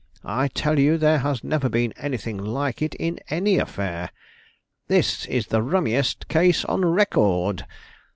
I tell you there has never been anything like it in any affair. It is the rummest case on record!